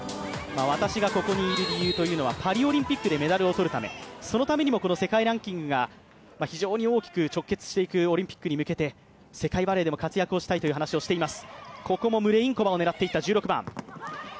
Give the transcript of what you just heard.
私がここにいる理由というのはパリオリンピックでメダルを取るためそのためにも世界ランキングが非常に大きく直結していくオリンピックに向けて、世界バレーでも活躍をしたいという話をしています。